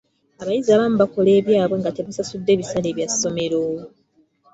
Abayizi abamu bakola ebyabwe nga tebasasudde bisale bya ssomero.